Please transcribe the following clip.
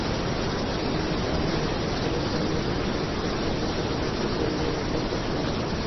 এঁদের মধ্যে আমিনুল ইসলাম কোমল পানীয় প্রতিষ্ঠান কোকাকোলার তথ্যপ্রযুক্তি কর্মকর্তা ছিলেন।